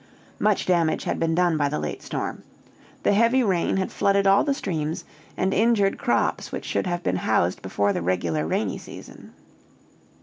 Much damage had been done by the late storm. The heavy rain had flooded all the streams, and injured crops which should have been housed before the regular rainy season.